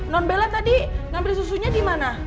non bella tadi ngambil susunya dimana